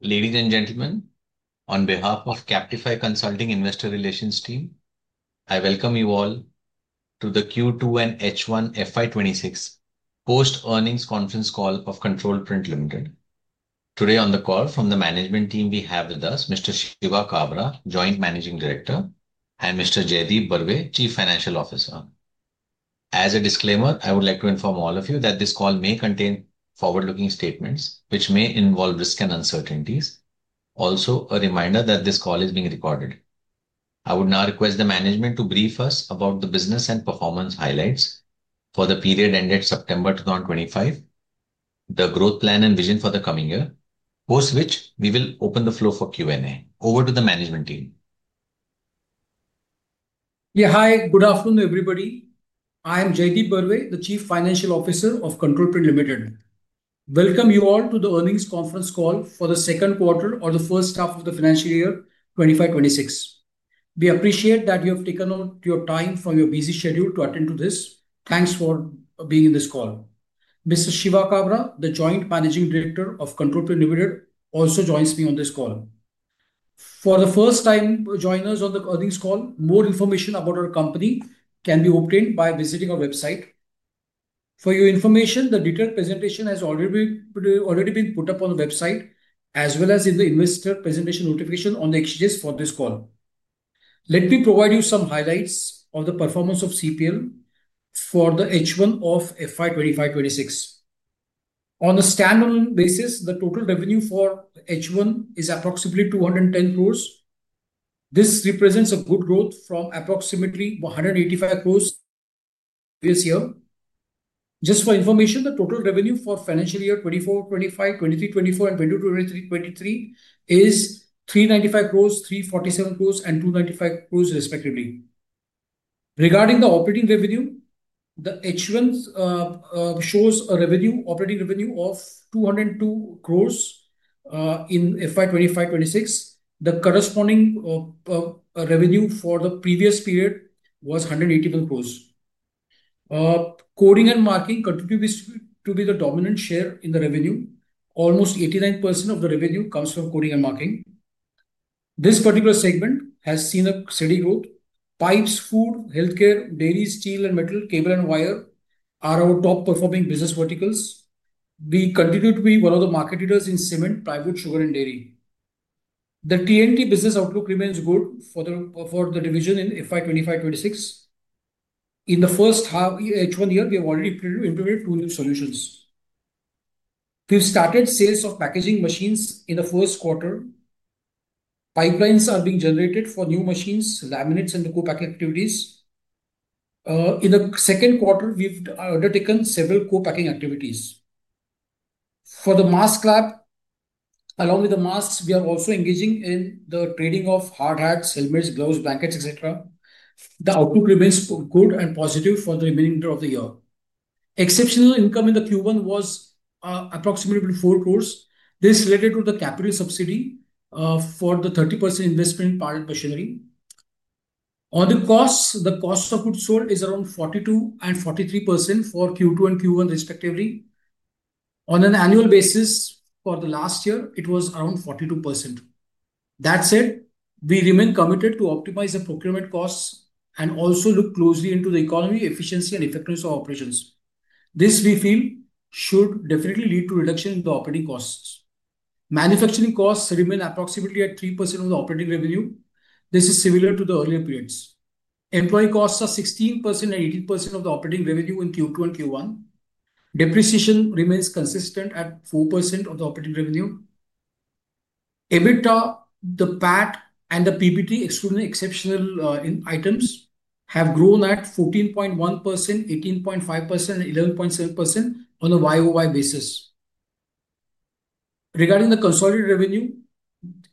Ladies and gentlemen, on behalf of Captify Consulting Investor Relations Team, I welcome you all to the Q2 and H1 FY2026 Post-Earnings Conference Call of Control Print Limited. Today, on the call from the management team, we have with us Mr. Shiva Kabra, Joint Managing Director, and Mr. Jaideep Barve, Chief Financial Officer. As a disclaimer, I would like to inform all of you that this call may contain forward-looking statements which may involve risk and uncertainties. Also, a reminder that this call is being recorded. I would now request the management to brief us about the business and performance highlights for the period ended September 2025, the growth plan and vision for the coming year, post which we will open the floor for Q&A. Over to the management team. Yeah, hi. Good afternoon, everybody. I am Jaideep Barve, the Chief Financial Officer of Control Print Limited. Welcome you all to the earnings conference call for the second quarter or the first half of the financial year 2025-2026. We appreciate that you have taken out your time from your busy schedule to attend to this. Thanks for being in this call. Mr. Shiva Kabra, the Joint Managing Director of Control Print Limited, also joins me on this call. For the first time, join us on the earnings call. More information about our company can be obtained by visiting our website. For your information, the detailed presentation has already been put up on the website, as well as in the investor presentation notification on the exchanges for this call. Let me provide you some highlights of the performance of CPL for the H1 of FY2025-2026. On a standalone basis, the total revenue for H1 is approximately 210 crores. This represents a good growth from approximately 185 crores this year. Just for information, the total revenue for financial year 2024-2025, 2023-2024, and 2022-2023 is 395 crores, 347 crores, and 295 crores, respectively. Regarding the operating revenue, the H1 shows a revenue, operating revenue of 202 crores in FY 2025-2026. The corresponding revenue for the previous period was 181 crores. Coding and marking continue to be the dominant share in the revenue. Almost 89% of the revenue comes from coding and marking. This particular segment has seen a steady growth. Pipes, food, healthcare, dairy, steel, and metal, cable and wire are our top performing business verticals. We continue to be one of the market leaders in cement, plywood, sugar, and dairy. The T&T business outlook remains good for the division in FY 2025-2026. In the first half, H1 year, we have already implemented two new solutions. We've started sales of packaging machines in the first quarter. Pipelines are being generated for new machines, laminates, and the co-packing activities. In the second quarter, we've undertaken several co-packing activities. For the mask lab, along with the masks, we are also engaging in the trading of hard hats, helmets, gloves, blankets, etc. The outlook remains good and positive for the remaining part of the year. Exceptional income in Q1 was approximately 4 crore. This is related to the capital subsidy for the 30% investment in parallel machinery. On the costs, the cost of goods sold is around 42% and 43% for Q2 and Q1, respectively. On an annual basis, for the last year, it was around 42%. That said, we remain committed to optimize the procurement costs and also look closely into the economy, efficiency, and effectiveness of operations. This, we feel, should definitely lead to a reduction in the operating costs. Manufacturing costs remain approximately at 3% of the operating revenue. This is similar to the earlier periods. Employee costs are 16% and 18% of the operating revenue in Q2 and Q1. Depreciation remains consistent at 4% of the operating revenue. EBITDA, the PAT, and the PBT, exceptional items, have grown at 14.1%, 18.5%, and 11.7% on a YOY basis. Regarding the consolidated revenue,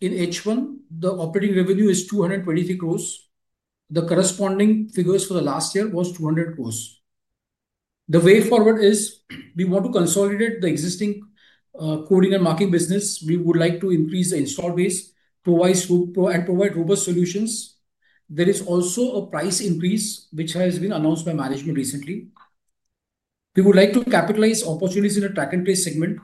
in H1, the operating revenue is 223 crores. The corresponding figures for the last year were 200 crores. The way forward is we want to consolidate the existing coding and marking business. We would like to increase the install base and provide robust solutions. There is also a price increase which has been announced by management recently. We would like to capitalize opportunities in the track and trace segment.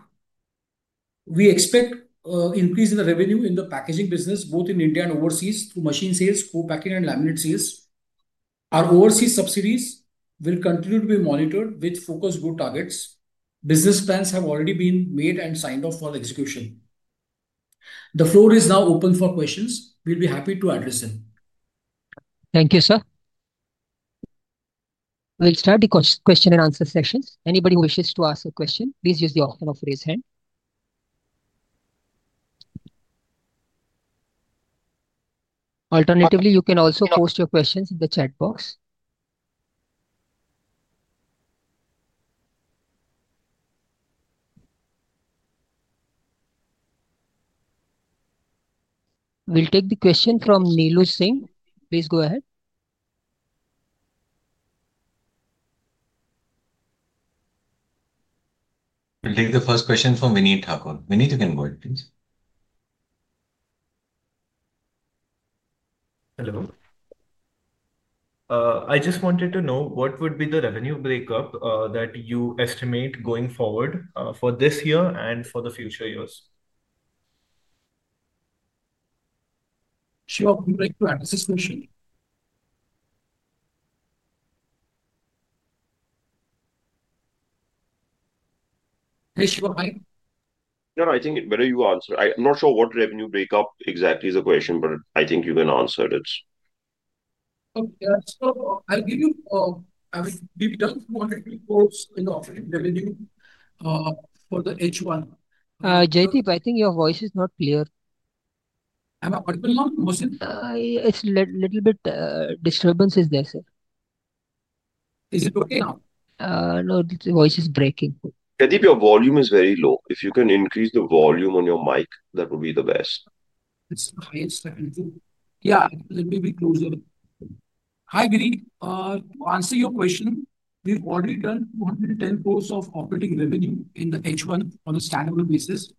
We expect an increase in the revenue in the packaging business, both in India and overseas, through machine sales, co-packing, and laminate sales. Our overseas subsidiaries will continue to be monitored with focused good targets. Business plans have already been made and signed off for execution. The floor is now open for questions. We'll be happy to address them. Thank you, sir. We'll start the question and answer sessions. Anybody who wishes to ask a question, please use the option of raise hand. Alternatively, you can also post your questions in the chat box. We'll take the question from Neelu Singh. Please go ahead. We'll take the first question from Vineet Thakur. Vineet, you can go ahead, please. Hello. I just wanted to know what would be the revenue breakup that you estimate going forward for this year and for the future years? Sure. I'd like to address this question. Hey, Shiva, hi. No, no. I think whether you answered, I'm not sure what revenue breakup exactly is the question, but I think you can answer it. Okay. I will give you 224 crores in the operating revenue for the H1. Jaideep, I think your voice is not clear. It's a little bit disturbance there, sir. Is it okay now? No, the voice is breaking. Jaideep, your volume is very low. If you can increase the volume on your mic, that would be the best. It's fine. Yeah, let me be closer. Hi, Vineet. To answer your question, we've already done 210 crore of operating revenue in the H1 on a standalone basis.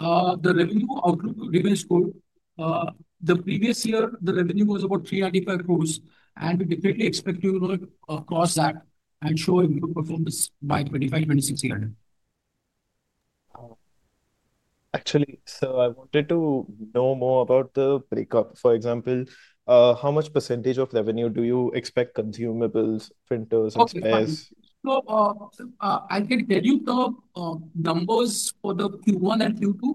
The revenue outlook remains good. The previous year, the revenue was about 395 crore, and we definitely expect to cross that and show a good performance by 2025-2026 year. Actually, sir, I wanted to know more about the breakup. For example, how much % of revenue do you expect consumables, printers, and spares? Okay. So I can tell you the numbers for the Q1 and Q2.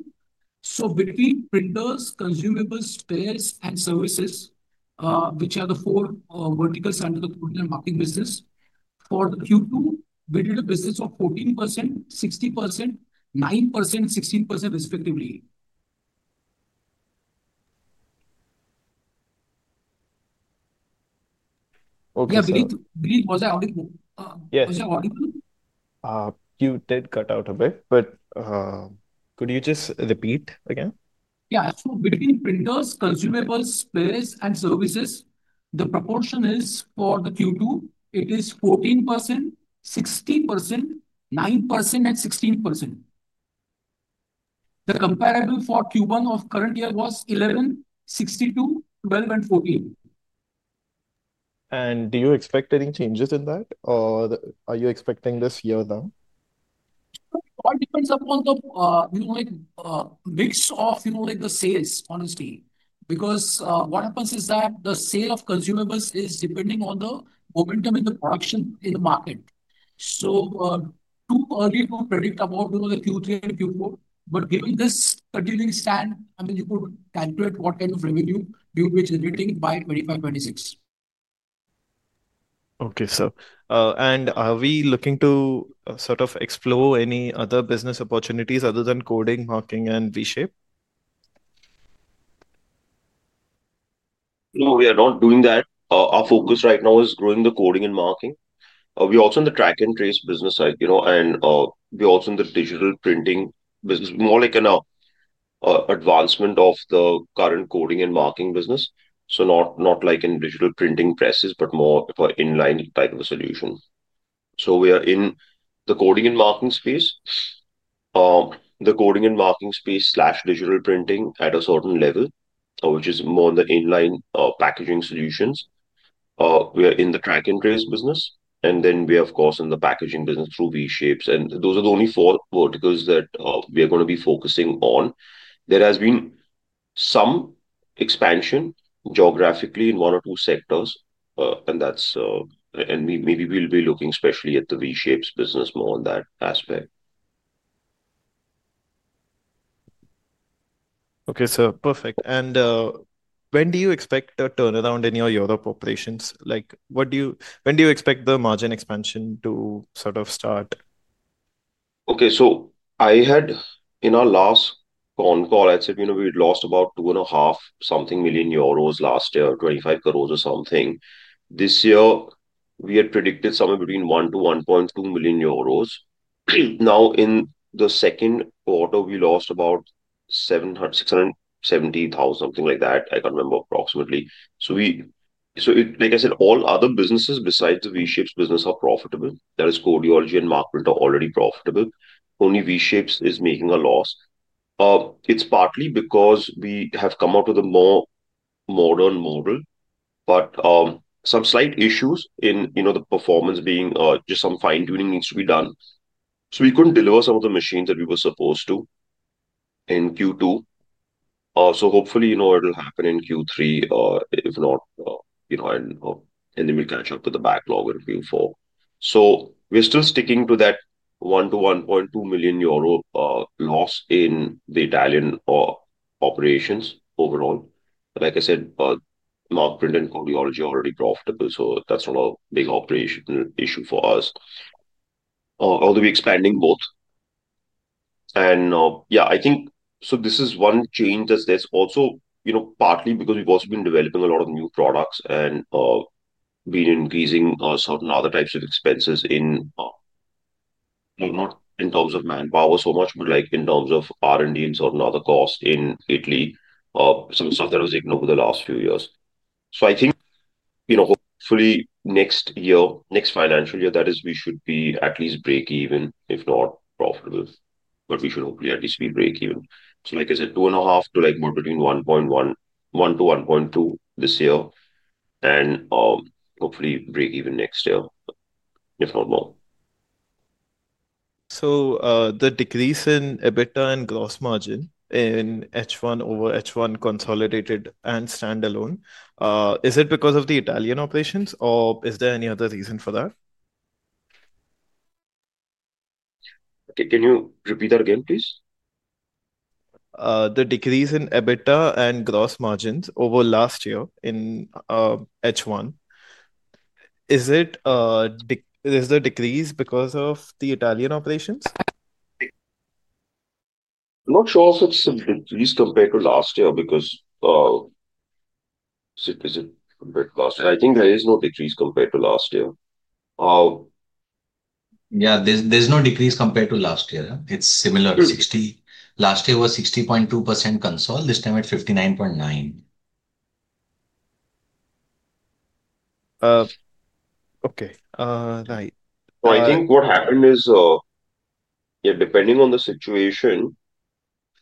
So between printers, consumables, spares, and services, which are the four verticals under the coding and marking business, for the Q2, we did a business of 14%, 60%, 9%, 16%, respectively. Okay. Yeah, Vineet, was I audible? Yes. Was I audible? You did cut out a bit, but could you just repeat again? Yeah. So between printers, consumables, spares, and services, the proportion is for the Q2, it is 14%, 60%, 9%, and 16%. The comparable for Q1 of current year was 11%, 62%, 12%, and 14%. Do you expect any changes in that, or are you expecting this year now? It all depends upon the mix of the sales, honestly. Because what happens is that the sale of consumables is depending on the momentum in the production in the market. Too early to predict about the Q3 and Q4. Given this continuing stand, I mean, you could calculate what kind of revenue we will be generating by 2025-2026. Okay, sir. Are we looking to sort of explore any other business opportunities other than coding, marking, and V-shapes? No, we are not doing that. Our focus right now is growing the coding and marking. We are also in the track and trace business side, and we are also in the digital printing business, more like an advancement of the current coding and marking business. Not like in digital printing presses, but more for inline type of a solution. We are in the coding and marking space. The coding and marking space slash digital printing at a certain level, which is more in the inline packaging solutions. We are in the track and trace business. We are, of course, in the packaging business through V-shapes. Those are the only four verticals that we are going to be focusing on. There has been some expansion geographically in one or two sectors, and maybe we will be looking especially at the V-shapes business more on that aspect. Okay, sir. Perfect. When do you expect a turnaround in your Europe operations? When do you expect the margin expansion to sort of start? Okay. So I had, in our last phone call, I said we'd lost about 2.5 million euros last year, 250 million or something. This year, we had predicted somewhere between 1 million-1.2 million euros. Now, in the second quarter, we lost about 670,000, something like that. I can't remember approximately. Like I said, all other businesses besides the V-shapes business are profitable. That is, coding and markers are already profitable. Only V-shapes is making a loss. It's partly because we have come out with a more modern model, but some slight issues in the performance being just some fine-tuning needs to be done. We couldn't deliver some of the machines that we were supposed to in Q2. Hopefully, it'll happen in Q3. If not, then we'll catch up with the backlog in Q4. We're still sticking to that 1 million-1.2 million euro loss in the Italian operations overall. Like I said, Mark Print and coding are already profitable, so that's not a big operational issue for us. Although we're expanding both. Yeah, I think this is one change that's also partly because we've also been developing a lot of new products and been increasing certain other types of expenses, not in terms of manpower so much, but in terms of R&D and certain other costs in Italy, some stuff that was ignored the last few years. I think hopefully next year, next financial year, that is, we should be at least break even, if not profitable. We should hopefully at least be break even. Like I said, two and a half to more between 1.1 to 1.2 this year, and hopefully break even next year, if not more. The decrease in EBITDA and gross margin in H1 over H1 consolidated and standalone, is it because of the Italian operations, or is there any other reason for that? Can you repeat that again, please? The decrease in EBITDA and gross margins over last year in H1, is the decrease because of the Italian operations? I'm not sure if it's a decrease compared to last year because is it compared to last year? I think there is no decrease compared to last year. Yeah, there's no decrease compared to last year. It's similar. Last year was 60.2% console. This time it's 59.9%. Okay. Right. I think what happened is, yeah, depending on the situation,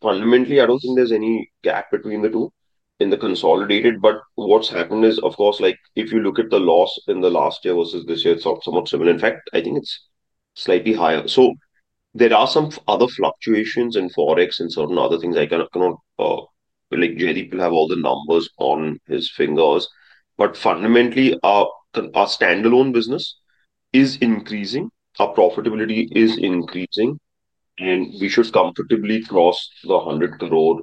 fundamentally, I do not think there is any gap between the two in the consolidated. What has happened is, of course, if you look at the loss in the last year versus this year, it is somewhat similar. In fact, I think it is slightly higher. There are some other fluctuations in forex and certain other things. I cannot, like Jaideep will have all the numbers on his fingers. Fundamentally, our standalone business is increasing. Our profitability is increasing. We should comfortably cross 100 crore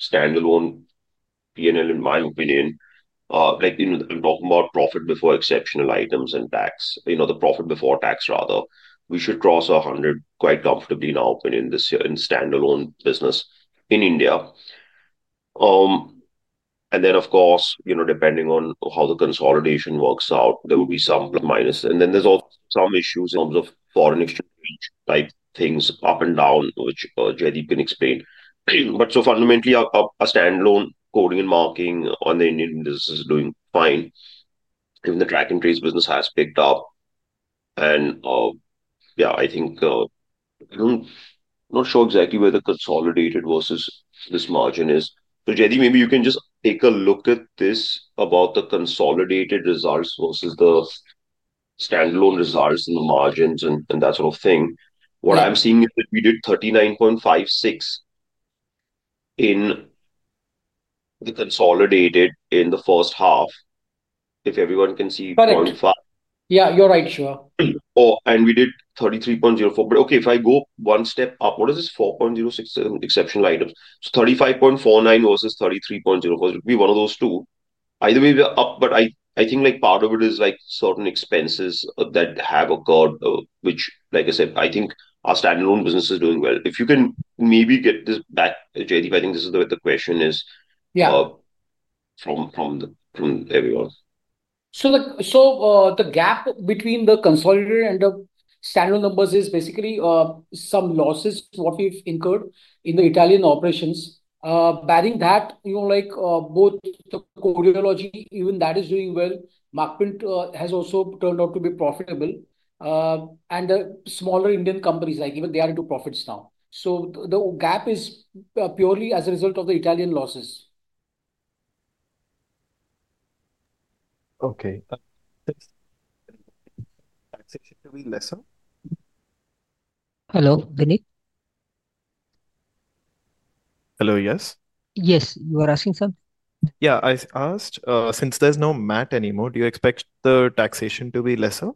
standalone P&L, in my opinion. I am talking about profit before exceptional items and tax, the profit before tax, rather. We should cross 100 quite comfortably, in our opinion, this year in standalone business in India. Of course, depending on how the consolidation works out, there will be some plus minus. There are also some issues in terms of foreign exchange type things up and down, which Jaideep can explain. Fundamentally, our standalone coding and marking on the Indian business is doing fine. Even the track and trace business has picked up. I think I'm not sure exactly where the consolidated versus this margin is. Jaideep, maybe you can just take a look at this about the consolidated results versus the standalone results and the margins and that sort of thing. What I'm seeing is that we did 39.56 crore in the consolidated in the first half. If everyone can see 0.5. Yeah, you're right, Shiva. Oh, and we did 33.04. But okay, if I go one step up, what is this 4.06 exceptional items? So 35.49 versus 33.04. It would be one of those two. Either way, we're up, but I think part of it is certain expenses that have occurred, which, like I said, I think our standalone business is doing well. If you can maybe get this back, Jaideep, I think this is the way the question is from everyone. The gap between the consolidated and the standalone numbers is basically some losses what we've incurred in the Italian operations. Barring that, both the coding logic, even that is doing well. Mark Print has also turned out to be profitable. And the smaller Indian companies, even they are into profits now. The gap is purely as a result of the Italian losses. Okay. Taxation to be lesser? Hello, Vineet? Hello, yes? Yes. You are asking something? Yeah, I asked, since there's no MAT anymore, do you expect the taxation to be lesser?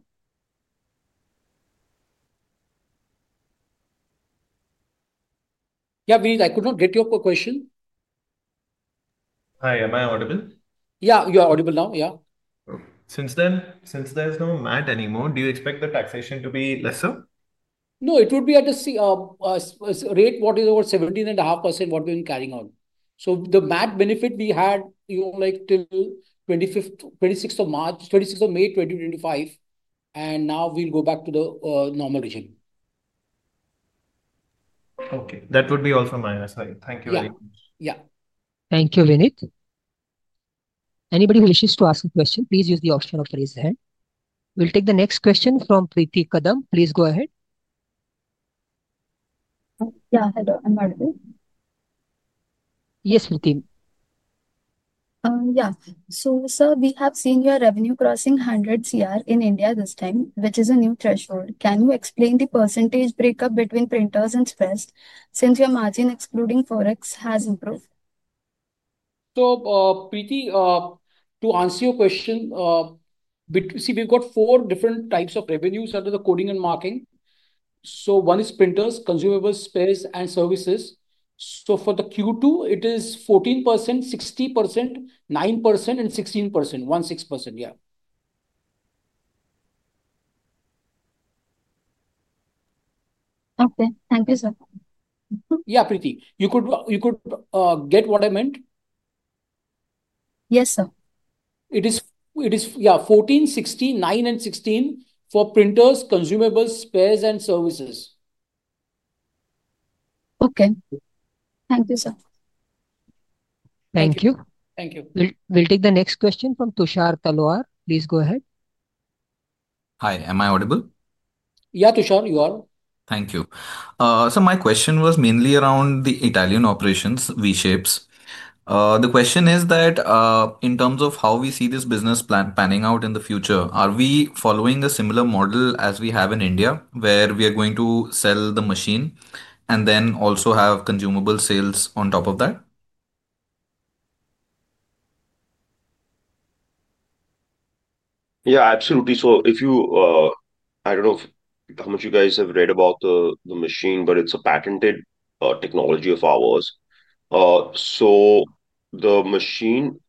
Yeah, Vineet, I could not get your question. Hi, am I audible? Yeah, you're audible now, yeah. Since there's no MAT anymore, do you expect the taxation to be lesser? No, it would be at a rate what is about 17.5% what we've been carrying on. So the MAT benefit we had till 26 May 2025, and now we'll go back to the normal regime. Okay. That would be also minus. Thank you very much. Yeah. Thank you, Vineet. Anybody who wishes to ask a question, please use the option of raise hand. We'll take the next question from Priti Kadam. Please go ahead. Yeah, hello. I'm audible. Yes, Priti. Yeah. So sir, we have seen your revenue crossing 100 crore in India this time, which is a new threshold. Can you explain the percentage breakup between printers and spares since your margin excluding forex has improved? Priti, to answer your question, see, we've got four different types of revenues under the coding and marking. One is printers, consumables, spares, and services. For the Q2, it is 14%, 60%, 9%, and 16%, 16%, yeah. Okay. Thank you, sir. Yeah, Priti. You could get what I meant? Yes, sir. It is, yeah, 14, 60, 9, and 16 for printers, consumables, spares, and services. Okay. Thank you, sir. Thank you. Thank you. We'll take the next question from Tushar Talwar. Please go ahead. Hi, am I audible? Yeah, Tushar, you are. Thank you. My question was mainly around the Italian operations, V-shapes. The question is that in terms of how we see this business planning out in the future, are we following a similar model as we have in India where we are going to sell the machine and then also have consumable sales on top of that? Yeah, absolutely. If you, I don't know how much you guys have read about the machine, but it's a patented technology of ours. The machine,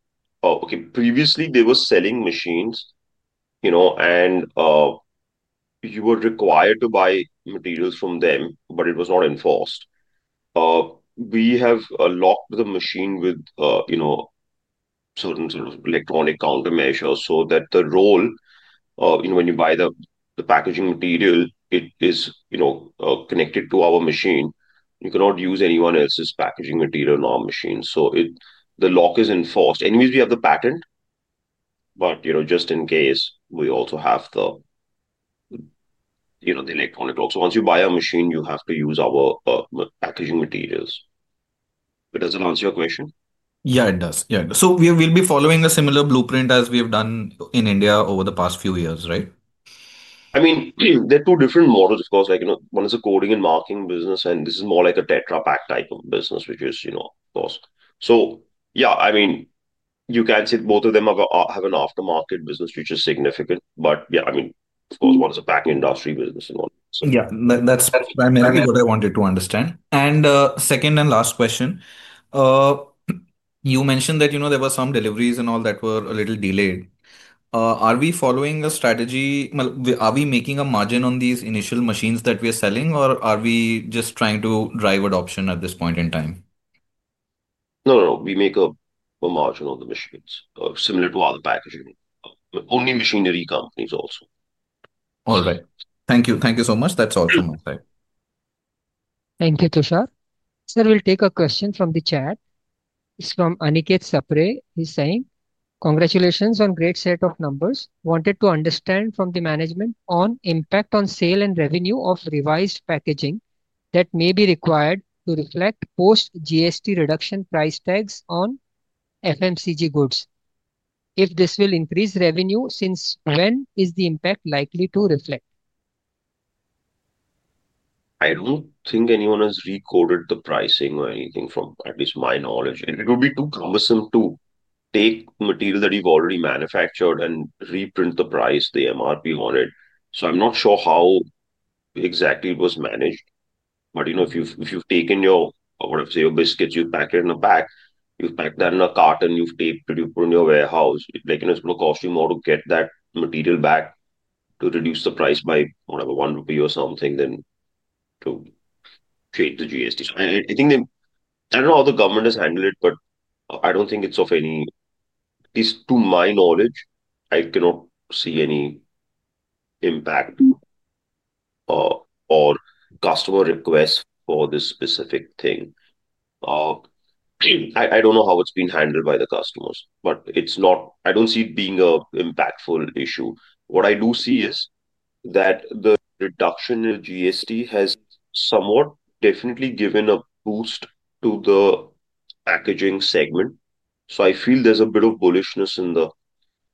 okay, previously, they were selling machines, and you were required to buy materials from them, but it was not enforced. We have locked the machine with certain sort of electronic countermeasures so that the roll, when you buy the packaging material, it is connected to our machine. You cannot use anyone else's packaging material in our machine. The lock is enforced. Anyways, we have the patent, but just in case, we also have the electronic lock. Once you buy a machine, you have to use our packaging materials. Does that answer your question? Yeah, it does. Yeah. We'll be following a similar blueprint as we have done in India over the past few years, right? I mean, there are two different models, of course. One is a coding and marking business, and this is more like a Tetra Pak type of business, which is, of course. Yeah, I mean, you can say both of them have an aftermarket business, which is significant. Yeah, I mean, of course, one is a packing industry business and one. Yeah. That's primarily what I wanted to understand. Second and last question, you mentioned that there were some deliveries and all that were a little delayed. Are we following a strategy? Are we making a margin on these initial machines that we are selling, or are we just trying to drive adoption at this point in time? No, no, no. We make a margin on the machines similar to other packaging-only machinery companies also. All right. Thank you. Thank you so much. That's all from my side. Thank you, Tushar. Sir, we'll take a question from the chat. It's from Aniket Sapre. He's saying, "Congratulations on great set of numbers. Wanted to understand from the management on impact on sale and revenue of revised packaging that may be required to reflect post-GST reduction price tags on FMCG goods. If this will increase revenue, since when is the impact likely to reflect? I don't think anyone has recoded the pricing or anything from at least my knowledge. It would be too cumbersome to take material that you've already manufactured and reprint the price, the MRP on it. I'm not sure how exactly it was managed. If you've taken your, what I would say, your biscuits, you pack it in a bag, you pack that in a carton, you've taped it, you put it in your warehouse, it's going to cost you more to get that material back to reduce the price by, whatever, 1 rupee or something than to trade the GST. I think I don't know how the government has handled it, but I don't think it's of any, at least to my knowledge, I cannot see any impact or customer request for this specific thing. I don't know how it's been handled by the customers, but I don't see it being an impactful issue. What I do see is that the reduction in GST has somewhat definitely given a boost to the packaging segment. I feel there's a bit of bullishness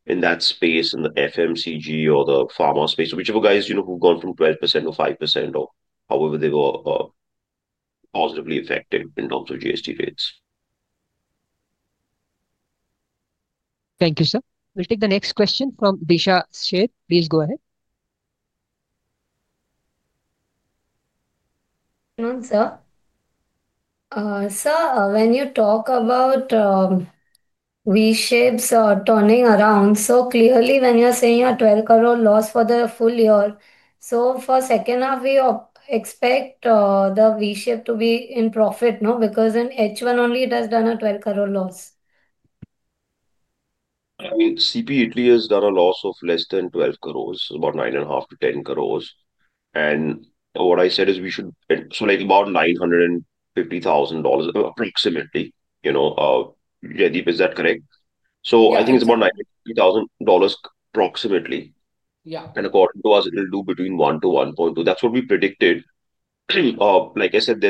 in that space, in the FMCG or the pharma space, whichever guys who've gone from 12% or 5% or however they were positively affected in terms of GST rates. Thank you, sir. We'll take the next question from Desha Sheth. Please go ahead. Hello, sir. Sir, when you talk about V-shapes turning around, so clearly when you're saying a 12 crore loss for the full year, so for second half, we expect the V-shapes to be in profit because in H1 only it has done a 12 crore loss. I mean, CP Italy has done a loss of less than 12 crores, about 9.5-10 crores. And what I said is we should, so about $950,000 approximately. Jaideep, is that correct? I think it's about $950,000 approximately. According to us, it'll do between $1 million-$1.2 million. That's what we predicted. Like I said,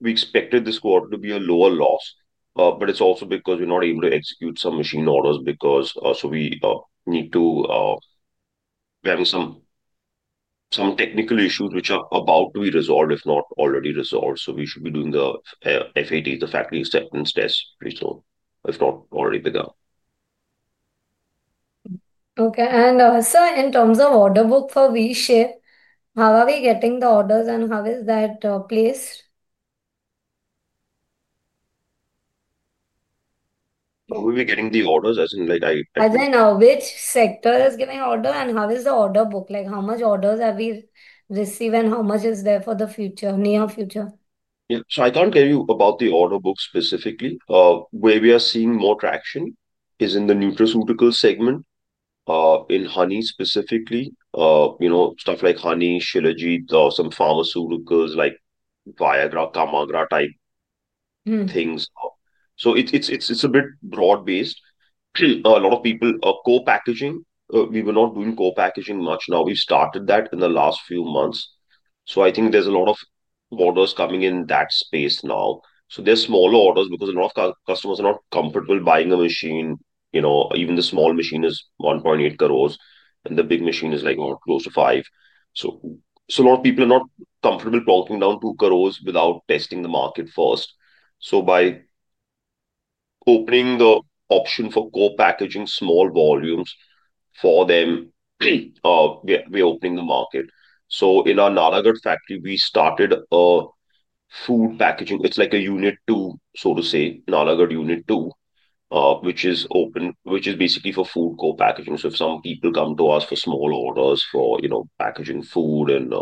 we expected this quarter to be a lower loss, but it's also because we're not able to execute some machine orders because we need to have some technical issues which are about to be resolved, if not already resolved. We should be doing the FATs, the factory acceptance tests, pretty soon, if not already begun. Okay. Sir, in terms of order book for V-shapes, how are we getting the orders and how is that placed? How are we getting the orders? As in which sector is giving order and how is the order book? How much orders have we received and how much is there for the near future? I can't tell you about the order book specifically. Where we are seeing more traction is in the nutraceutical segment, in honey specifically, stuff like honey, shilajit, some pharmaceuticals like Viagra, Kamagra type things. It's a bit broad-based. A lot of people are co-packaging. We were not doing co-packaging much; now we've started that in the last few months. I think there's a lot of orders coming in that space now. There are smaller orders because a lot of customers are not comfortable buying a machine. Even the small machine is 1.8 crore, and the big machine is close to 5 crore. A lot of people are not comfortable plonking down 2 crore without testing the market first. By opening the option for co-packaging small volumes for them, we're opening the market. In our Nalagad factory, we started a food packaging. It's like a unit two, so to say, Nalagarh unit two, which is basically for food co-packaging. If some people come to us for small orders for packaging food and, I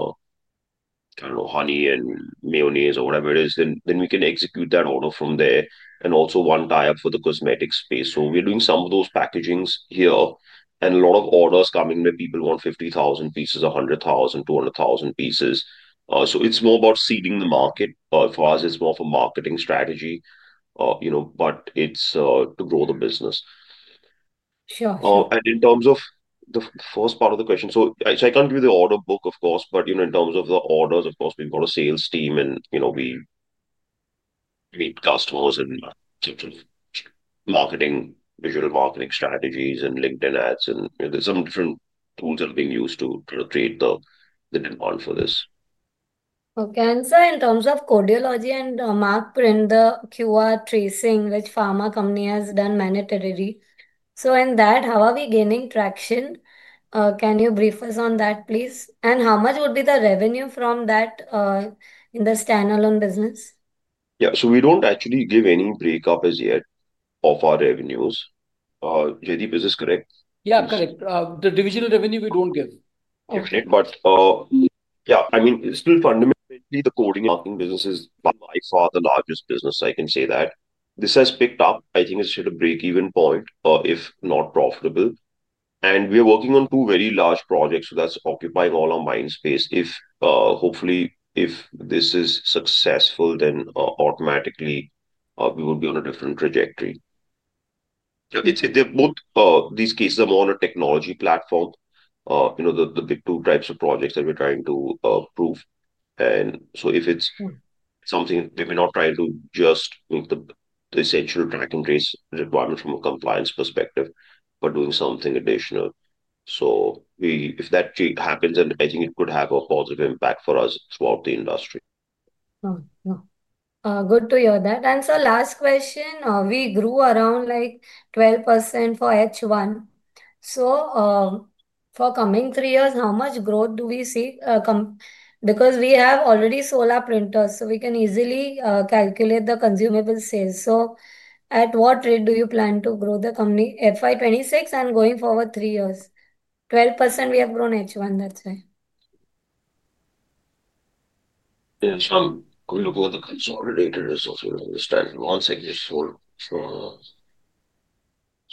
don't know, honey and mayonnaise or whatever it is, then we can execute that order from there and also one tie-up for the cosmetic space. We're doing some of those packagings here. A lot of orders are coming where people want 50,000 pieces, 100,000, 200,000 pieces. It's more about seeding the market. For us, it's more of a marketing strategy, but it's to grow the business. Sure. In terms of the first part of the question, I can't give you the order book, of course, but in terms of the orders, of course, we've got a sales team, and we meet customers and different marketing, digital marketing strategies and LinkedIn ads, and there's some different tools that are being used to create the demand for this. Okay. Sir, in terms of Codeology and Mark Print, the QR tracing, which pharma company has done mandatory, in that, how are we gaining traction? Can you brief us on that, please? How much would be the revenue from that in the standalone business? Yeah. So we do not actually give any breakup as yet of our revenues. Jaideep, is this correct? Yeah, correct. The divisional revenue, we don't give. Okay. But yeah, I mean, still fundamentally, the coding and marking business is by far the largest business. I can say that. This has picked up. I think it's hit a break-even point if not profitable. We are working on two very large projects, so that's occupying all our mind space. Hopefully, if this is successful, then automatically, we will be on a different trajectory. Both these cases are more on a technology platform, the big two types of projects that we're trying to prove. If it's something we're not trying to just meet the essential track and trace requirements from a compliance perspective, but doing something additional. If that happens, then I think it could have a positive impact for us throughout the industry. Good to hear that. Sir, last question. We grew around 12% for H1. For the coming three years, how much growth do we see? Because we have already solar printers, we can easily calculate the consumable sales. At what rate do you plan to grow the company in FY2026 and going forward three years? 12% we have grown H1, that's right. Yeah. I'm going to go with the consolidated results on the standalone segment.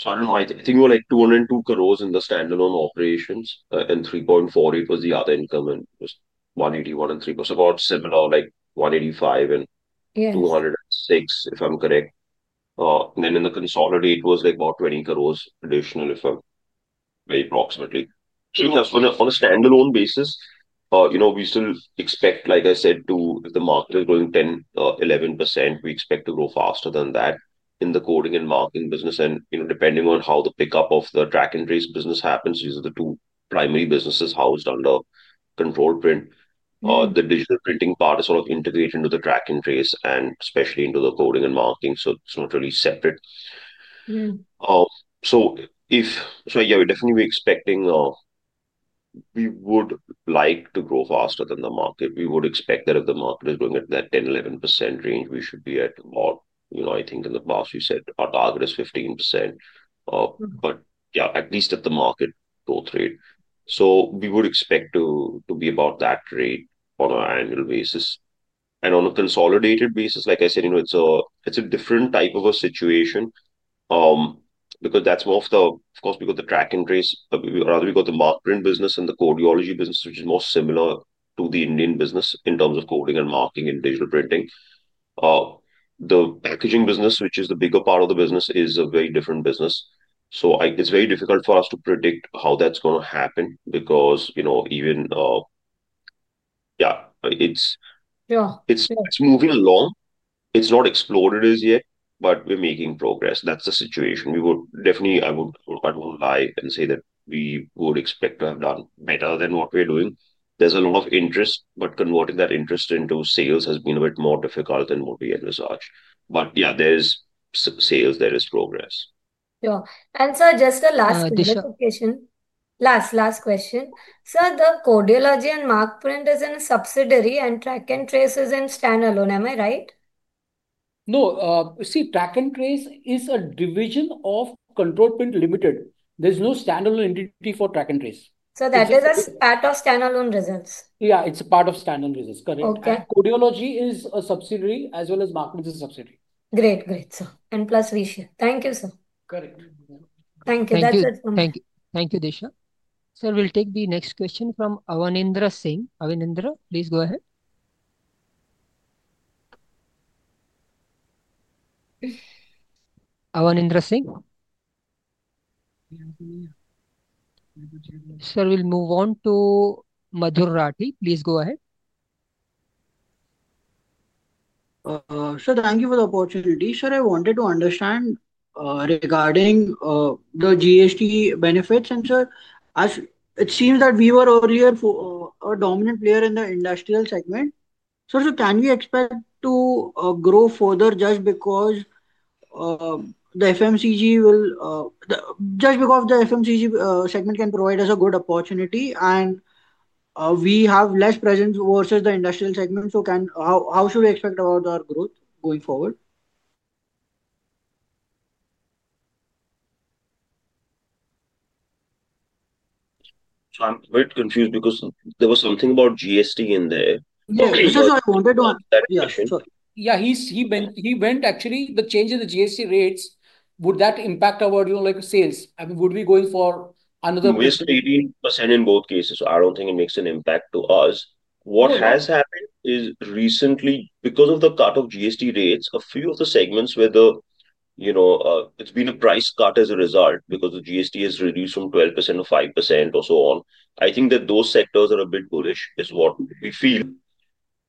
I don't know. I think we were like 202 crores in the standalone operations, and IeNR 3.48 crores was the other income and just 181 crores and 3 crores. About similar, like 185 crores and 206 crores, if I'm correct. In the consolidated, it was about 20 crores additional, if I'm very approximately. On a standalone basis, we still expect, like I said, if the market is growing 10-11%, we expect to grow faster than that in the coding and marking business. Depending on how the pickup of the track and trace business happens, these are the two primary businesses housed under Control Print. The digital printing part is sort of integrated into the track and trace, and especially into the coding and marking. It's not really separate. Yeah, we definitely would be expecting we would like to grow faster than the market. We would expect that if the market is growing at that 10-11% range, we should be at about, I think in the past, we said our target is 15%. At least at the market growth rate. We would expect to be about that rate on an annual basis. On a consolidated basis, like I said, it's a different type of a situation because that's more of the, of course, because the track and trace, rather, we got the Mark Print business and the Codology business, which is more similar to the Indian business in terms of coding and marking and digital printing. The packaging business, which is the bigger part of the business, is a very different business. It is very difficult for us to predict how that is going to happen because even yeah, it is moving along. It has not exploded as yet, but we are making progress. That is the situation. I will not lie and say that we would expect to have done better than what we are doing. There is a lot of interest, but converting that interest into sales has been a bit more difficult than what we had researched. Yeah, there are sales. There is progress. Sure. Sir, just a last question. Last, last question. Sir, the Codeology and Mark Print is in a subsidiary and track and trace is in standalone. Am I right? No. See, track and trace is a division of Control Print Limited. There's no standalone entity for track and trace. That is a part of standalone results? Yeah. It's a part of standalone results. Correct. Codeology is a subsidiary as well as Mark Print is a subsidiary. Great. Great, sir. Plus V-shapes. Thank you, sir. Correct. Thank you. That's it from me. Thank you. Thank you, Desha. Sir, we'll take the next question from Avanindra Singh. Avanindra, please go ahead. Avanindra Singh. Sir, we'll move on to Madhur Rathi. Please go ahead. Sir, thank you for the opportunity. Sir, I wanted to understand regarding the GST benefits. It seems that we were earlier a dominant player in the industrial segment. Can we expect to grow further just because the FMCG segment can provide us a good opportunity and we have less presence versus the industrial segment? How should we expect about our growth going forward? I'm a bit confused because there was something about GST in there. Okay. So I wanted to ask that question. Yeah. When actually the change in the GST rates, would that impact our sales, and would we be going for another? We're still 18% in both cases. I don't think it makes an impact to us. What has happened is recently, because of the cut of GST rates, a few of the segments where it's been a price cut as a result because the GST has reduced from 12% to 5% or so on. I think that those sectors are a bit bullish is what we feel.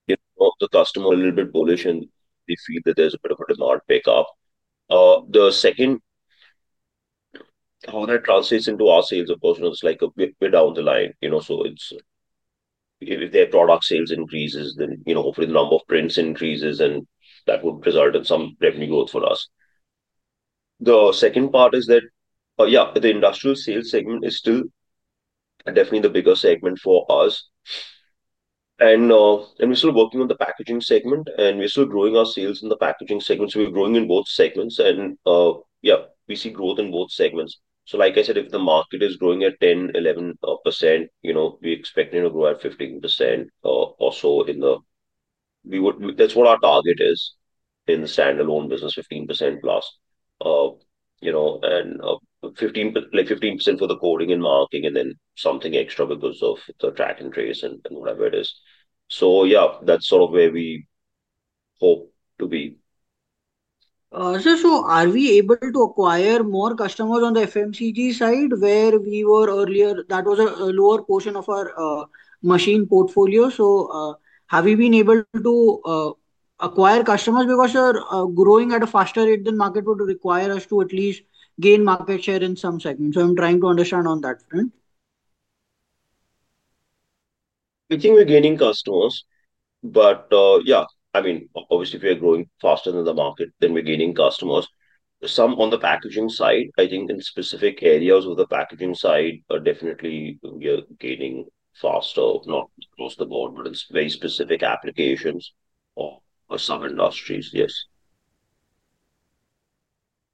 The customer is a little bit bullish, and we feel that there's a bit of a demand pickup. The second, how that translates into our sales of course, it's like we're down the line. If their product sales increases, then hopefully the number of prints increases, and that would result in some revenue growth for us. The second part is that, yeah, the industrial sales segment is still definitely the bigger segment for us. We're still working on the packaging segment, and we're still growing our sales in the packaging segment. We're growing in both segments. Yeah, we see growth in both segments. Like I said, if the market is growing at 10-11%, we expect it to grow at 15% or so. That's what our target is in the standalone business, 15% plus. Fifteen percent for the coding and marking and then something extra because of the track and trace and whatever it is. Yeah, that's sort of where we hope to be. Sir, are we able to acquire more customers on the FMCG side where we were earlier? That was a lower portion of our machine portfolio. Have we been able to acquire customers because they're growing at a faster rate than market would require us to at least gain market share in some segments? I'm trying to understand on that front. I think we're gaining customers. Yeah, I mean, obviously, if we're growing faster than the market, then we're gaining customers. On the packaging side, I think in specific areas of the packaging side, definitely we are gaining faster, not across the board, but it's very specific applications or some industries, yes.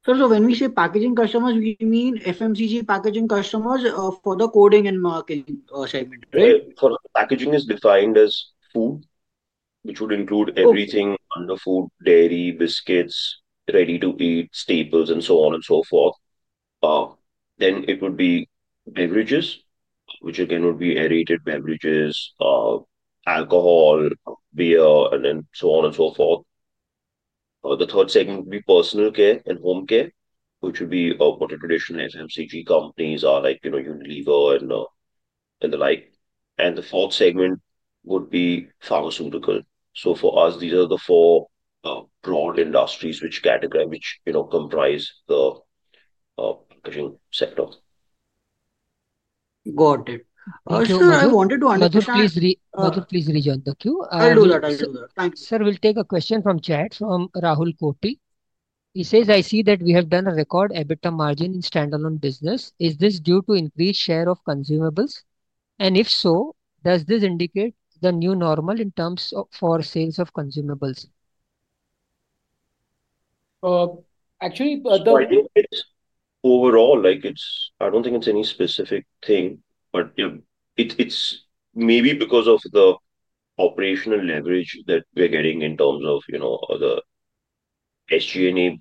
Sir, so when we say packaging customers, we mean FMCG packaging customers for the coding and marking segment, right? For packaging is defined as food, which would include everything under food, dairy, biscuits, ready-to-eat, staples, and so on and so forth. It would be beverages, which again would be aerated beverages, alcohol, beer, and then so on and so forth. The third segment would be personal care and home care, which would be what the traditional FMCG companies are like, Unilever and the like. The fourth segment would be pharmaceutical. For us, these are the four broad industries which comprise the packaging sector. Got it. Sir, I wanted to understand. Both of you please rejoin the queue. I'll do that. I'll do that. Thank you. Sir, we'll take a question from chat from Rahul Koti. He says, "I see that we have done a record EBITDA margin in standalone business. Is this due to increased share of consumables? And if so, does this indicate the new normal in terms of sales of consumables? Actually, the. I think it's overall, I don't think it's any specific thing, but it's maybe because of the operational leverage that we're getting in terms of the SG&E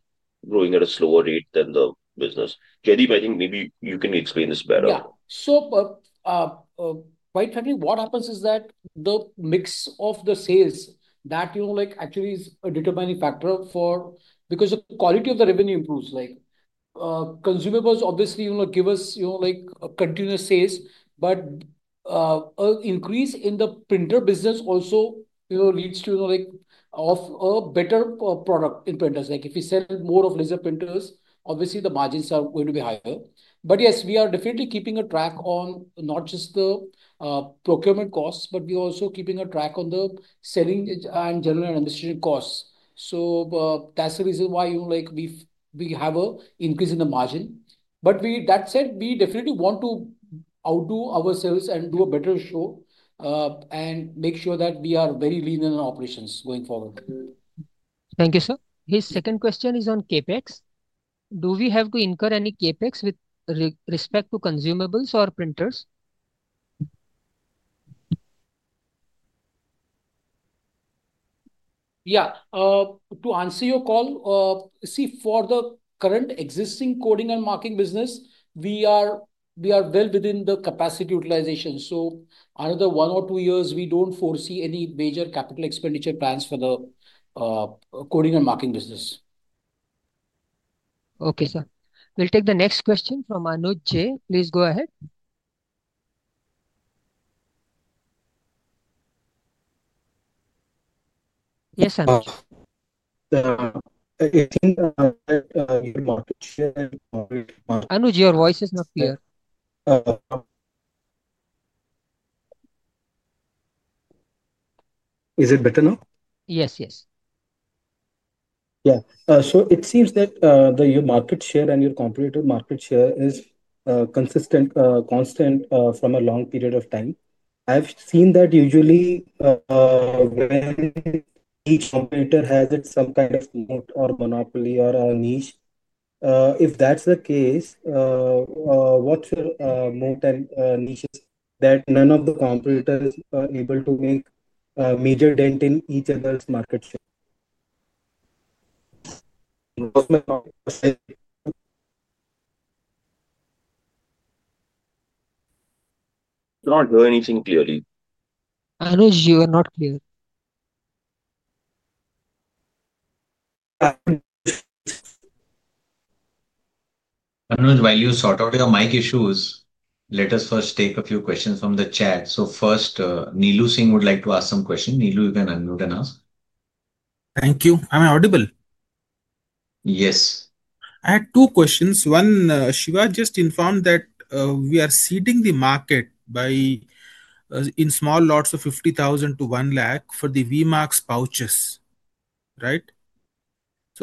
growing at a slower rate than the business. Jaideep, I think maybe you can explain this better. Yeah. So quite frankly, what happens is that the mix of the sales that actually is a determining factor for because the quality of the revenue improves. Consumables obviously give us continuous sales, but an increase in the printer business also leads to a better product in printers. If you sell more of laser printers, obviously, the margins are going to be higher. Yes, we are definitely keeping a track on not just the procurement costs, but we are also keeping a track on the selling and general administration costs. That is the reason why we have an increase in the margin. That said, we definitely want to outdo ourselves and do a better show and make sure that we are very lean in our operations going forward. Thank you, sir. His second question is on Capex. Do we have to incur any Capex with respect to consumables or printers? Yeah. To answer your call, see, for the current existing coding and marking business, we are well within the capacity utilization. So another one or two years, we do not foresee any major capital expenditure plans for the coding and marking business. Okay, sir. We'll take the next question from Anuj J. Please go ahead. Yes, Anuj. I think. Anuj, your voice is not clear. Is it better now? Yes, yes. Yeah. So it seems that your market share and your competitor market share is consistent, constant from a long period of time. I've seen that usually when each competitor has some kind of moat or monopoly or a niche. If that's the case, what's your moat and niche that none of the competitors are able to make a major dent in each other's market share? You're not hearing anything clearly. Anuj, you are not clear. Anuj, while you sort out your mic issues, let us first take a few questions from the chat. First, Neelu Singh would like to ask some questions. Neelu, you can unmute and ask. Thank you. Am I audible? Yes. I had two questions. One, Shiva just informed that we are seeding the market in small lots of 50 lakh to 100 lakh for the VMAX pouches, right?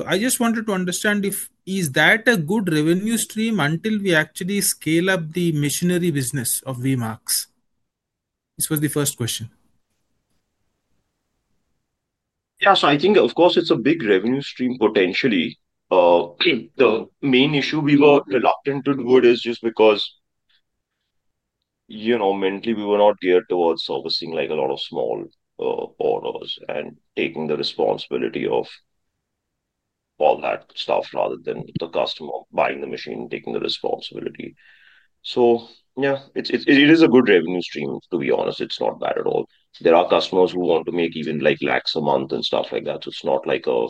I just wanted to understand if that is a good revenue stream until we actually scale up the machinery business of VMAX. This was the first question. Yeah. I think, of course, it's a big revenue stream potentially. The main issue we were reluctant to do it is just because mentally we were not geared towards servicing a lot of small orders and taking the responsibility of all that stuff rather than the customer buying the machine, taking the responsibility. Yeah, it is a good revenue stream, to be honest. It's not bad at all. There are customers who want to make even lakhs a month and stuff like that. It's not a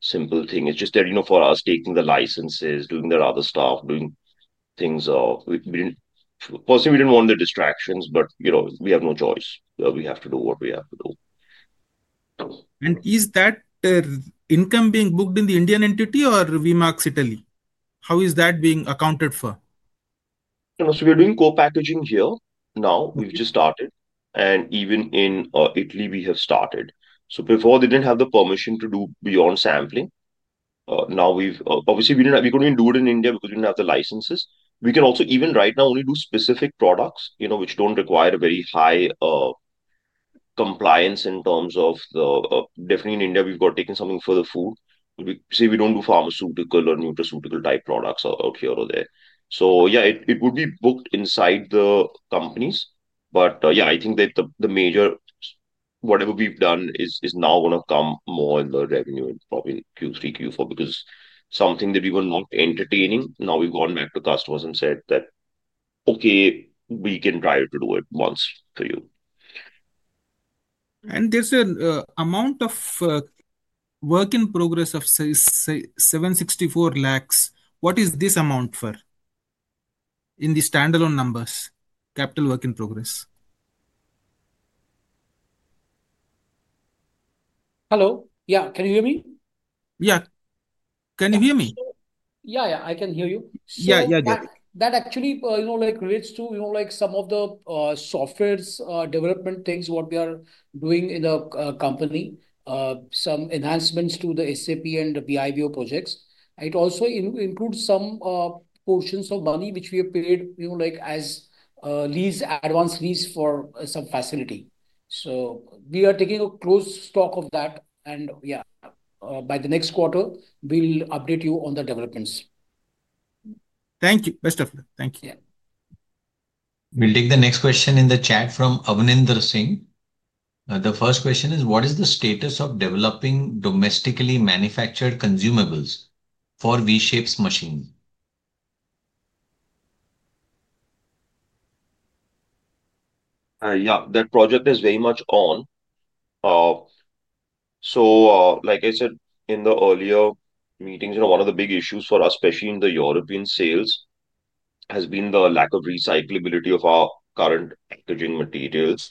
simple thing. It's just that for us, taking the licenses, doing the other stuff, doing things, of course, we did not want the distractions, but we have no choice. We have to do what we have to do. Is that income being booked in the Indian entity or VMAX Italy? How is that being accounted for? We're doing co-packaging here now. We've just started. Even in Italy, we have started. Before, they didn't have the permission to do beyond sampling. Obviously, we couldn't even do it in India because we didn't have the licenses. We can also even right now only do specific products which don't require very high compliance in terms of the definitely in India, we've got taken something for the food. We say we don't do pharmaceutical or nutraceutical-type products out here or there. It would be booked inside the companies. I think that the major whatever we've done is now going to come more in the revenue in probably Q3, Q4 because something that we were not entertaining, now we've gone back to customers and said that, "Okay, we can try to do it once for you. There's an amount of work in progress of 764 lakhs. What is this amount for in the standalone numbers, capital work in progress? Hello? Yeah. Can you hear me? Yeah. Can you hear me? Yeah, yeah. I can hear you. Yeah, yeah. That actually relates to some of the software development things what we are doing in the company, some enhancements to the SAP and the BIBO projects. It also includes some portions of money which we have paid as lease, advance lease for some facility. We are taking a close stock of that. Yeah, by the next quarter, we'll update you on the developments. Thank you. Best of luck. Thank you. We'll take the next question in the chat from Avanindra Singh. The first question is, what is the status of developing domestically manufactured consumables for V-shapes machines? Yeah. That project is very much on. Like I said in the earlier meetings, one of the big issues for us, especially in the European sales, has been the lack of recyclability of our current packaging materials.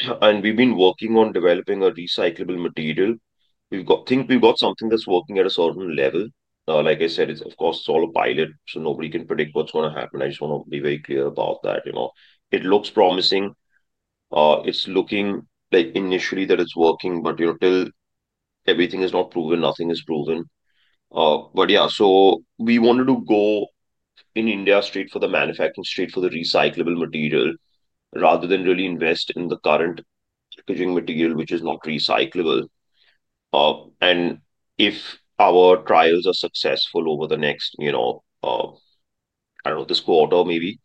We've been working on developing a recyclable material. I think we've got something that's working at a certain level. Like I said, of course, it's all a pilot, so nobody can predict what's going to happen. I just want to be very clear about that. It looks promising. It's looking initially that it's working, but till everything is not proven, nothing is proven. Yeah, we wanted to go in India straight for the manufacturing, straight for the recyclable material rather than really invest in the current packaging material which is not recyclable. If our trials are successful over the next, I don't know, this quarter maybe,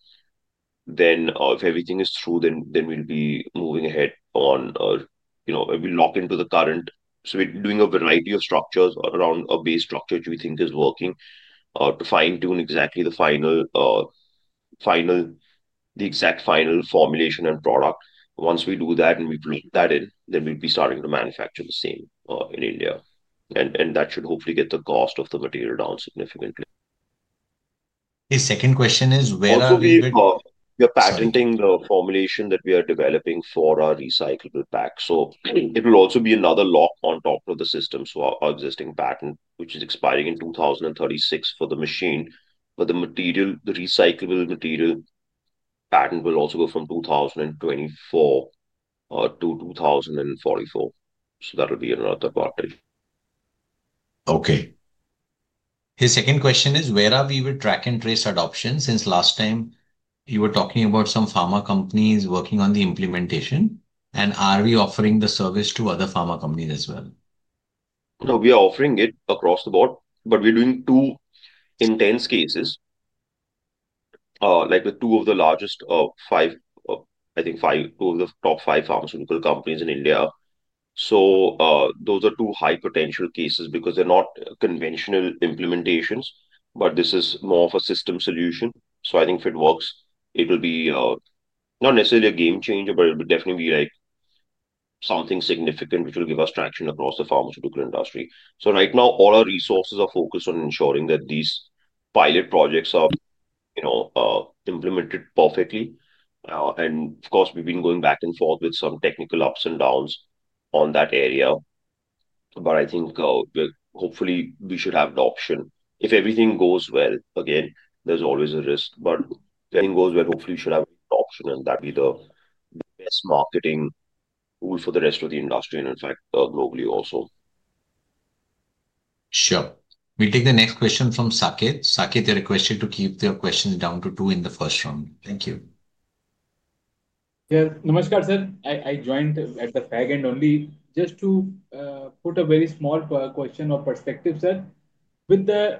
then if everything is through, we'll be moving ahead on or we'll lock into the current. We're doing a variety of structures around a base structure which we think is working to fine-tune exactly the exact final formulation and product. Once we do that and we put that in, we'll be starting to manufacture the same in India. That should hopefully get the cost of the material down significantly. His second question is, where are you going to? Also, we are patenting the formulation that we are developing for our recyclable pack. It will also be another lock on top of the system. Our existing patent, which is expiring in 2036, is for the machine, but the recyclable material patent will also go from 2024 to 2044. That will be another part. Okay. His second question is, where are we with track and trace adoption since last time you were talking about some pharma companies working on the implementation? Are we offering the service to other pharma companies as well? No, we are offering it across the board, but we're doing two intense cases with two of the largest of, I think, two of the top five pharmaceutical companies in India. Those are two high-potential cases because they're not conventional implementations, but this is more of a system solution. I think if it works, it will be not necessarily a game changer, but it will definitely be something significant which will give us traction across the pharmaceutical industry. Right now, all our resources are focused on ensuring that these pilot projects are implemented perfectly. Of course, we've been going back and forth with some technical ups and downs in that area. I think hopefully we should have adoption. If everything goes well, again, there's always a risk. If everything goes well, hopefully we should have adoption, and that'd be the best marketing tool for the rest of the industry and, in fact, globally also. Sure. We'll take the next question from Sakit. Sakit, you're requested to keep your questions down to two in the first round. Thank you. Yeah. Namaskar, sir, I joined at the FAG and only just to put a very small question or perspective, sir. With the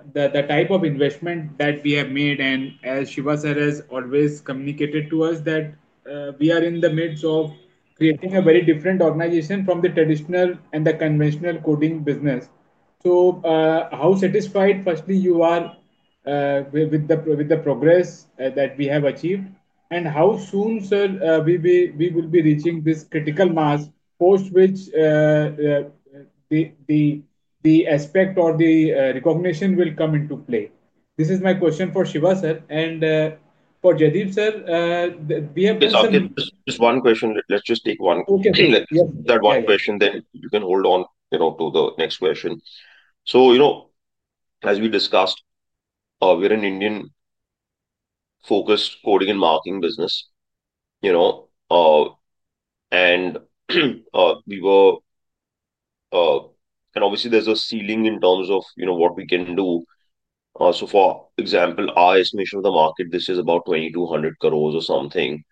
type of investment that we have made, and as Shiva sir has always communicated to us, that we are in the midst of creating a very different organization from the traditional and the conventional coding business. How satisfied, firstly, you are with the progress that we have achieved? How soon, sir, we will be reaching this critical mass post which the aspect or the recognition will come into play? This is my question for Shiva, sir. For Jaideep, sir, we have some. Just one question. Let's just take one question. Okay. Yeah. That one question, then you can hold on to the next question. As we discussed, we are an Indian-focused coding and marking business. Obviously, there is a ceiling in terms of what we can do. For example, our estimation of the market is about 2,200 crore or something.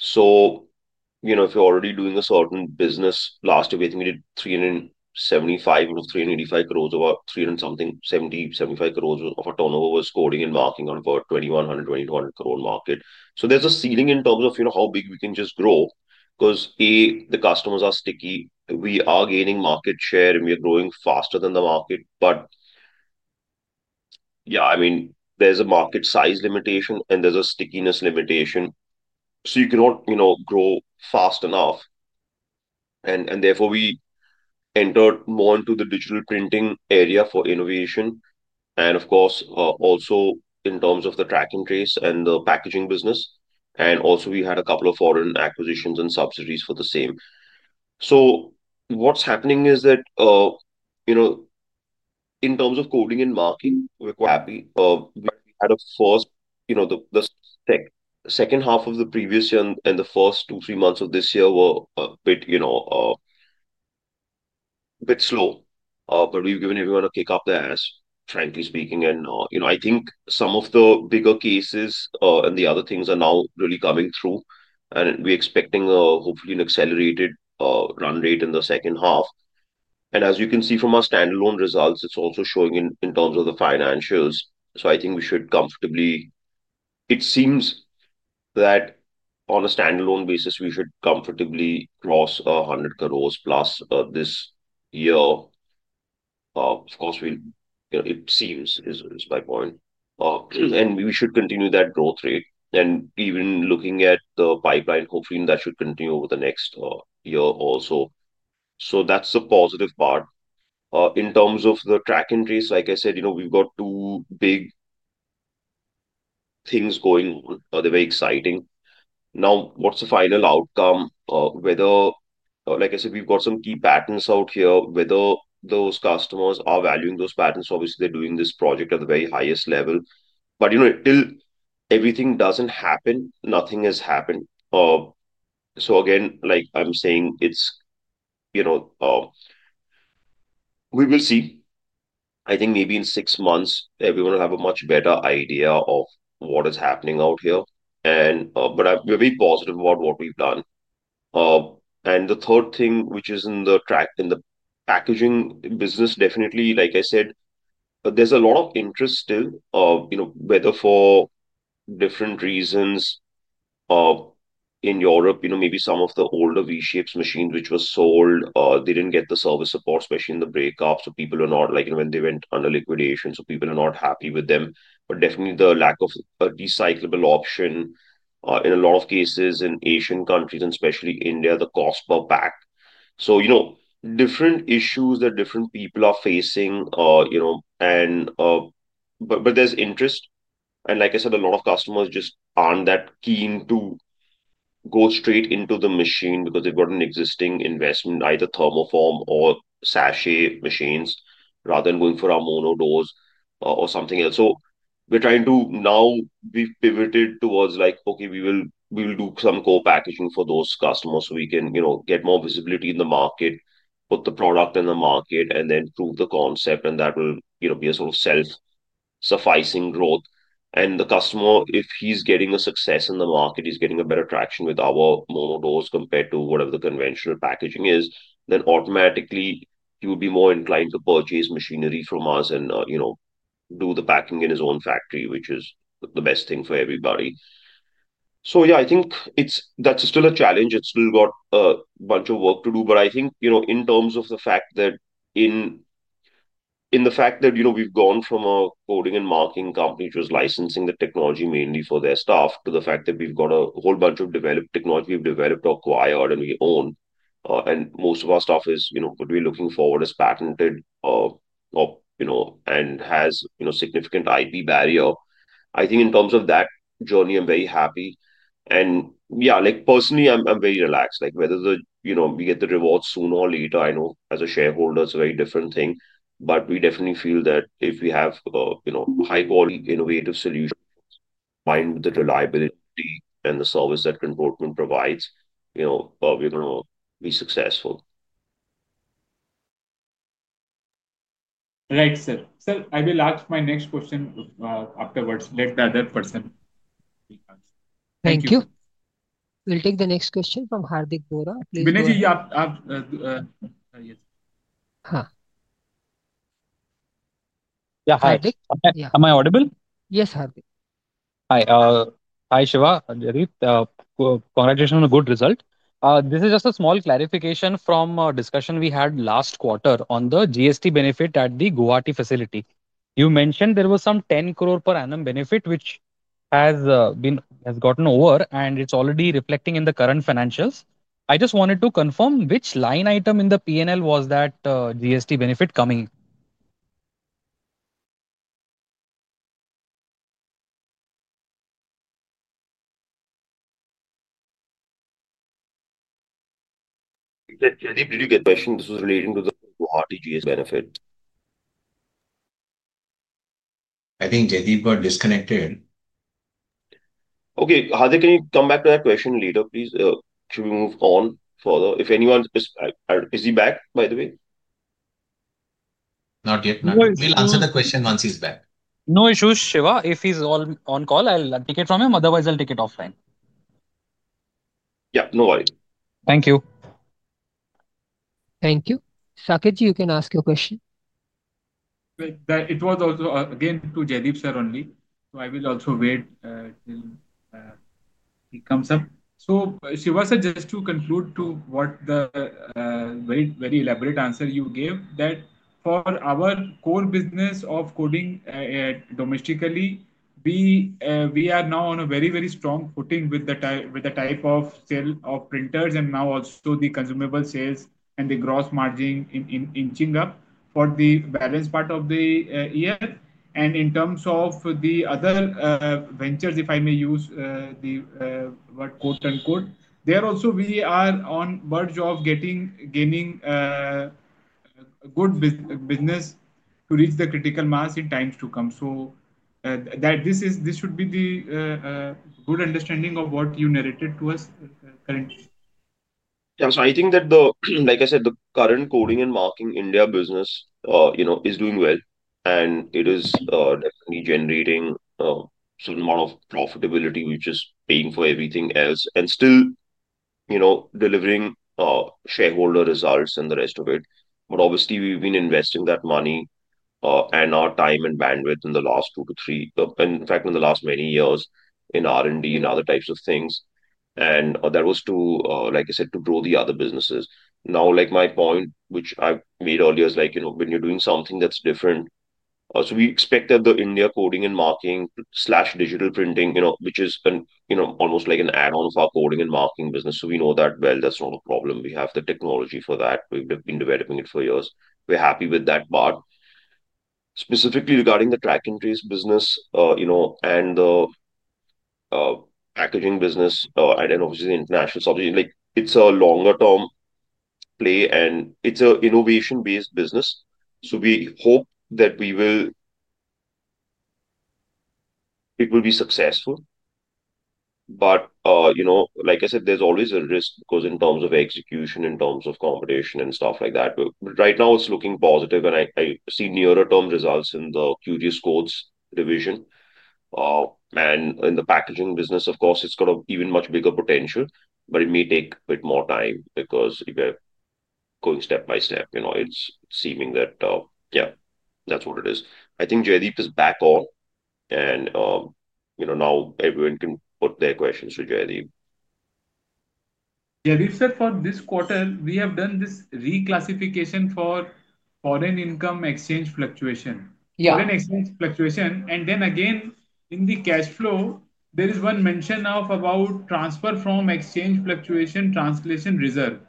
If you are already doing a certain business, last year, I think we did 375 or 385 crore or 370-375 crore of turnover was coding and marking for a 2,100-2,200 crore market. There is a ceiling in terms of how big we can just grow because, A, the customers are sticky. We are gaining market share, and we are growing faster than the market. Yeah, I mean, there is a market size limitation, and there is a stickiness limitation. You cannot grow fast enough. Therefore, we entered more into the digital printing area for innovation. Of course, also in terms of the track and trace and the packaging business. Also, we had a couple of foreign acquisitions and subsidiaries for the same. What's happening is that in terms of coding and marking, we're quite happy. We had a first the second half of the previous year and the first two, three months of this year were a bit slow. We've given everyone a kick up their ass, frankly speaking. I think some of the bigger cases and the other things are now really coming through. We're expecting, hopefully, an accelerated run rate in the second half. As you can see from our standalone results, it's also showing in terms of the financials. I think we should comfortably, it seems that on a standalone basis, we should comfortably cross 100 crore plus this year. Of course, it seems is my point. We should continue that growth rate. Even looking at the pipeline, hopefully, that should continue over the next year also. That is the positive part. In terms of the track and trace, like I said, we have got two big things going on. They are very exciting. Now, what is the final outcome? Like I said, we have got some key patents out here. Whether those customers are valuing those patents, obviously, they are doing this project at the very highest level. Till everything does not happen, nothing has happened. Again, like I am saying, we will see. I think maybe in six months, everyone will have a much better idea of what is happening out here. We are very positive about what we have done. The third thing, which is in the packaging business, definitely, like I said, there's a lot of interest still, whether for different reasons in Europe, maybe some of the older V-shapes machines which were sold, they did not get the service support, especially in the breakup. People are not, like when they went under liquidation, so people are not happy with them. Definitely, the lack of a recyclable option in a lot of cases in Asian countries, and especially India, the cost per pack. Different issues that different people are facing. There is interest. Like I said, a lot of customers just are not that keen to go straight into the machine because they have got an existing investment, either thermoform or sachet machines, rather than going for a mono dose or something else. We're trying to now be pivoted towards like, "Okay, we will do some co-packaging for those customers so we can get more visibility in the market, put the product in the market, and then prove the concept." That will be a sort of self-sufficing growth. The customer, if he's getting a success in the market, he's getting a better traction with our mono dose compared to whatever the conventional packaging is, then automatically, he would be more inclined to purchase machinery from us and do the packing in his own factory, which is the best thing for everybody. I think that's still a challenge. It's still got a bunch of work to do. I think in terms of the fact that we've gone from a coding and marking company which was licensing the technology mainly for their staff to the fact that we've got a whole bunch of developed technology we've developed, acquired, and we own. Most of our stuff is what we're looking forward as patented and has significant IP barrier. I think in terms of that journey, I'm very happy. Yeah, personally, I'm very relaxed. Whether we get the rewards sooner or later, I know as a shareholder, it's a very different thing. We definitely feel that if we have high-quality innovative solutions combined with the reliability and the service that Control Print provides, we're going to be successful. Right, sir. Sir, I will ask my next question afterwards. Let the other person. Thank you. We'll take the next question from Hardik Bora. Binneji, you have— Hi. Yeah, Hardik. Yeah. Am I audible? Yes, Hardik. Hi. Hi, Shiva, Jaideep. Congratulations on a good result. This is just a small clarification from a discussion we had last quarter on the GST benefit at the Gowarti facility. You mentioned there was some 10 crore per annum benefit which has gotten over, and it's already reflecting in the current financials. I just wanted to confirm which line item in the P&L was that GST benefit coming. Jaideep, did you get the question? This was relating to the Guwahati GST benefit. I think Jaideep got disconnected. Okay. Hardik, can you come back to that question later, please? Should we move on further? Is he back, by the way? Not yet. We'll answer the question once he's back. No issues, Shiva. If he's on call, I'll take it from him. Otherwise, I'll take it offline. Yeah, no worries. Thank you. Thank you. Sakit ji, you can ask your question. It was also again to Jaideep sir only. I will also wait till he comes up. Shiva sir, just to conclude to what the very elaborate answer you gave, that for our core business of coding domestically, we are now on a very, very strong footing with the type of sale of printers and now also the consumable sales and the gross margin inching up for the balance part of the year. In terms of the other ventures, if I may use the word quote unquote, there also, we are on the verge of gaining good business to reach the critical mass in times to come. This should be the good understanding of what you narrated to us currently. Yeah. I think that, like I said, the current coding and marking India business is doing well. It is definitely generating a certain amount of profitability, which is paying for everything else and still delivering shareholder results and the rest of it. Obviously, we've been investing that money and our time and bandwidth in the last two to three, in fact, in the last many years in R&D and other types of things. That was to, like I said, to grow the other businesses. Now, my point, which I made earlier, is when you're doing something that's different. We expect that the India coding and marking/digital printing, which is almost like an add-on for our coding and marking business. We know that well. That's not a problem. We have the technology for that. We've been developing it for years. We're happy with that part. Specifically regarding the track and trace business and the packaging business, and obviously, the international subsidiary, it's a longer-term play, and it's an innovation-based business. We hope that it will be successful. Like I said, there's always a risk because in terms of execution, in terms of competition, and stuff like that. Right now, it's looking positive. I see nearer-term results in the QGS codes division. In the packaging business, of course, it's got even much bigger potential. It may take a bit more time because if you're going step by step, it's seeming that, yeah, that's what it is. I think Jaideep is back on. Now everyone can put their questions to Jaideep. Jaideep sir, for this quarter, we have done this reclassification for foreign income exchange fluctuation. Then again, in the cash flow, there is one mention of about transfer from exchange fluctuation translation reserve.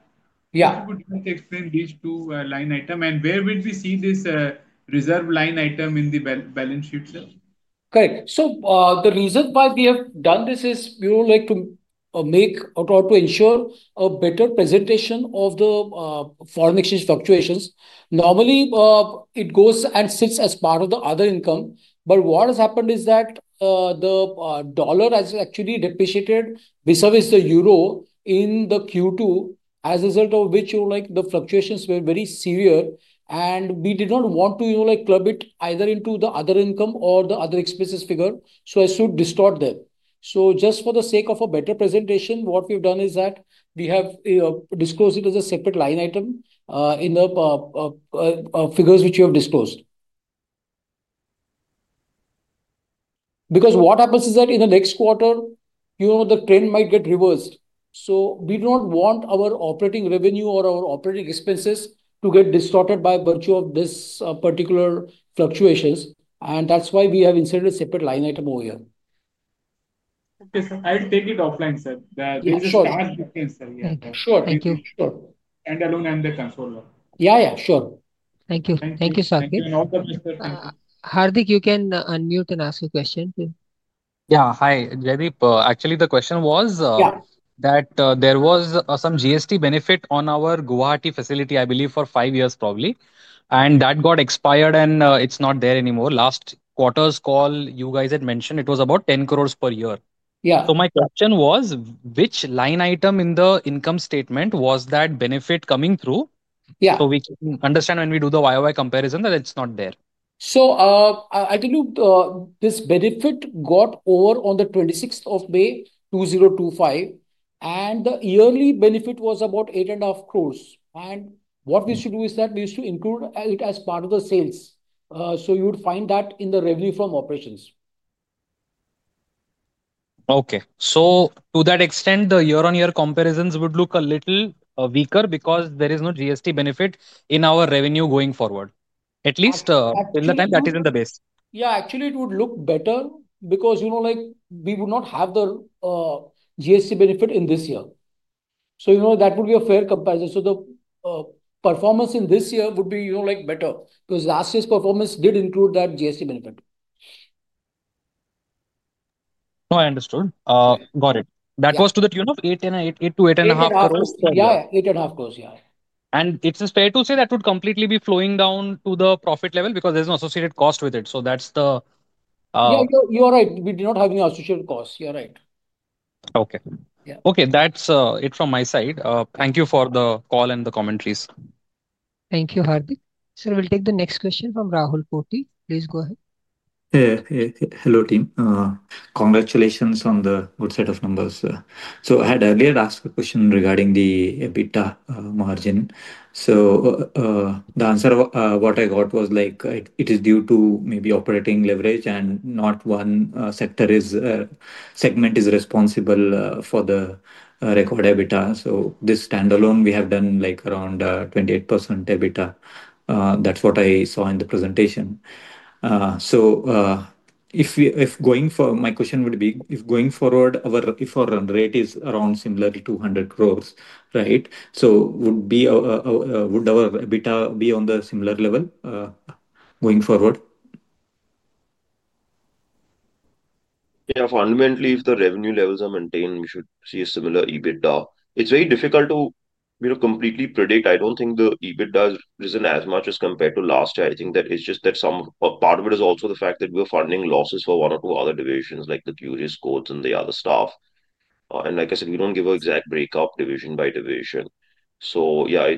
Could you explain these two line items? Where would we see this reserve line item in the balance sheet, sir? Correct. The reason why we have done this is we would like to make or to ensure a better presentation of the foreign exchange fluctuations. Normally, it goes and sits as part of the other income. What has happened is that the dollar has actually depreciated besides the euro in the Q2, as a result of which the fluctuations were very severe. We did not want to club it either into the other income or the other expenses figure. I should distort them. Just for the sake of a better presentation, what we've done is that we have disclosed it as a separate line item in the figures which we have disclosed. What happens is that in the next quarter, the trend might get reversed. We do not want our operating revenue or our operating expenses to get distorted by virtue of these particular fluctuations. That is why we have inserted a separate line item over here. Okay, sir. I'll take it offline, sir. This is a large difference, sir. Yeah. Sure. Thank you. I don't have the consultant. Yeah, yeah. Sure. Thank you. Thank you, Sakit. Hardik, you can unmute and ask a question. Yeah. Hi, Jaideep. Actually, the question was that there was some GST benefit on our Guwahati facility, I believe, for five years probably. And that got expired, and it's not there anymore. Last quarter's call, you guys had mentioned it was about 10 crore per year. So my question was, which line item in the income statement was that benefit coming through? So we can understand when we do the YOY comparison that it's not there. I told you this benefit got over on the 26th of May, 2025. The yearly benefit was about 8.5 crore. What we should do is that we used to include it as part of the sales. You would find that in the revenue from operations. Okay. To that extent, the year-on-year comparisons would look a little weaker because there is no GST benefit in our revenue going forward, at least in the time that is in the base. Yeah. Actually, it would look better because we would not have the GST benefit in this year. That would be a fair comparison. The performance in this year would be better because last year's performance did include that GST benefit. No, I understood. Got it. That was to the tune of 8 crore-8.5 crore. Yeah, 8.5 crores, yeah. It is fair to say that would completely be flowing down to the profit level because there is no associated cost with it. That is the. Yeah, you are right. We do not have any associated costs. You are right. Okay. Okay. That's it from my side. Thank you for the call and the commentaries. Thank you, Hardik. Sir, we'll take the next question from Rahul Poti. Please go ahead. Hello, team. Congratulations on the good set of numbers. I had earlier asked a question regarding the EBITDA margin. The answer I got was it is due to maybe operating leverage and not one sector segment is responsible for the record EBITDA. This standalone, we have done around 28% EBITDA. That is what I saw in the presentation. If going forward, if our run rate is around similar to 200 crore right, would our EBITDA be on the similar level going forward? Yeah. Fundamentally, if the revenue levels are maintained, we should see a similar EBITDA. It's very difficult to completely predict. I don't think the EBITDA has risen as much as compared to last year. I think that it's just that some part of it is also the fact that we are funding losses for one or two other divisions like the QGS codes and the other stuff. Like I said, we don't give an exact breakup division by division. Yeah,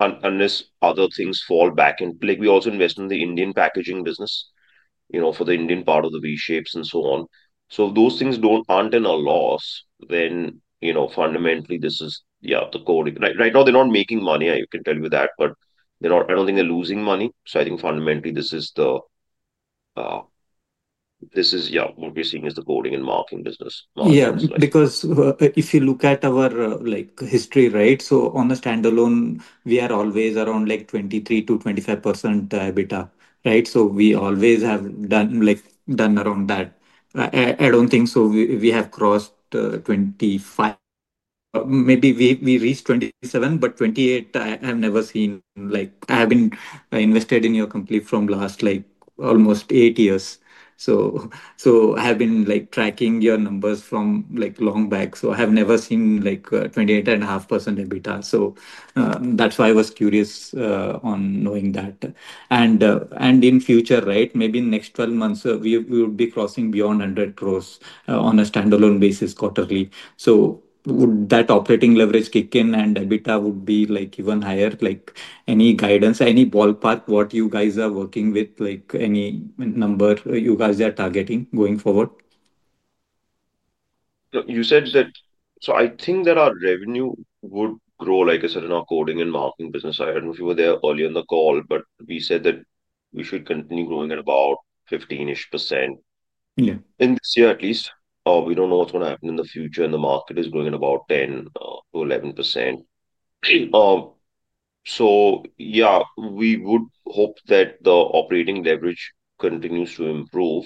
unless other things fall back in play, we also invest in the Indian packaging business for the Indian part of the V-shapes and so on. If those things aren't in a loss, then fundamentally, this is, yeah, the coding. Right now, they're not making money. I can tell you that. I don't think they're losing money. I think fundamentally, this is the, yeah, what we're seeing is the coding and marking business. Yeah. Because if you look at our history, right, on a standalone, we are always around 23%-25% EBITDA, right? We always have done around that. I do not think we have crossed 25%. Maybe we reached 27%, but 28%, I have never seen. I have been invested in your company for almost eight years. I have been tracking your numbers from long back. I have never seen 28.5% EBITDA. That is why I was curious on knowing that. In future, right, maybe in the next 12 months, we would be crossing beyond 100 crore on a standalone basis quarterly. Would that operating leverage kick in and EBITDA would be even higher? Any guidance, any ballpark, what you guys are working with, any number you guys are targeting going forward? I think that our revenue would grow, like I said, in our coding and marking business. I do not know if you were there earlier in the call, but we said that we should continue growing at about 15% in this year at least. We do not know what is going to happen in the future. The market is growing at about 10-11%. Yeah, we would hope that the operating leverage continues to improve.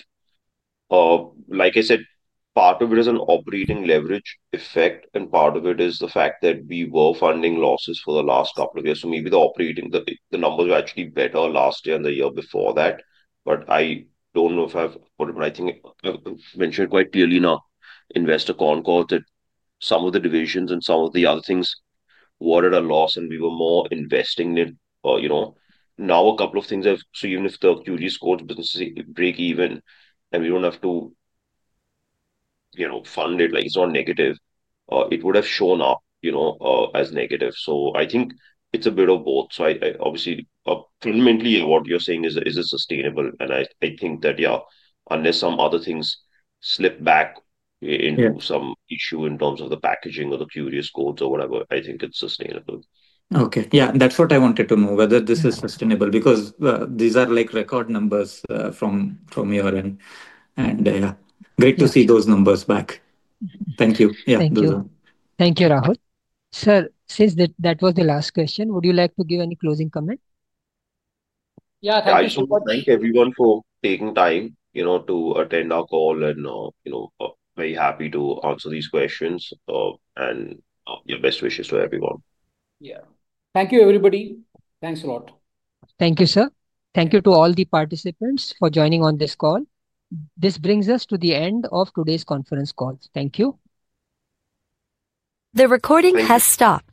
Like I said, part of it is an operating leverage effect, and part of it is the fact that we were funding losses for the last couple of years. Maybe the numbers were actually better last year and the year before that. I do not know if I have put it, but I think I mentioned it quite clearly in our investor con call that some of the divisions and some of the other things were at a loss, and we were more investing in it. Now, a couple of things have, so even if the QGS codes businesses break even and we do not have to fund it, it is not negative, it would have shown up as negative. I think it is a bit of both. Obviously, fundamentally, what you are saying is it is sustainable. I think that, yeah, unless some other things slip back into some issue in terms of the packaging or the QGS codes or whatever, I think it is sustainable. Okay. Yeah. That's what I wanted to know, whether this is sustainable because these are record numbers from your end. Yeah, great to see those numbers back. Thank you. Yeah. Thank you. Thank you, Rahul. Sir, since that was the last question, would you like to give any closing comment? Yeah. Thank you so much. Thank you everyone for taking time to attend our call. I am very happy to answer these questions. My best wishes to everyone. Yeah. Thank you, everybody. Thanks a lot. Thank you, sir. Thank you to all the participants for joining on this call. This brings us to the end of today's conference call. Thank you. The recording has stopped.